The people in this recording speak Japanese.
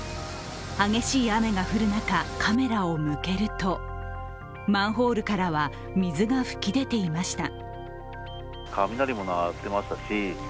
激しい雨が降る中、カメラを向けるとマンホールからは水が噴き出ていました。